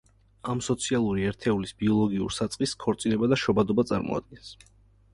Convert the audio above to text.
ამ სოციალური ერთეულის ბიოლოგიურ საწყისს ქორწინება და შობადობა წარმოადგენს.